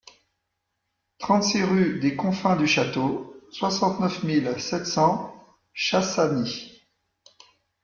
trente-six rue des Confins du Château, soixante-neuf mille sept cents Chassagny